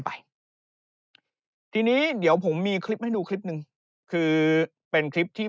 ไปทีนี้เดี๋ยวผมมีคลิปให้ดูคลิปหนึ่งคือเป็นคลิปที่